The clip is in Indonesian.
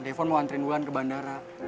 defon mau anterin mulan ke bandara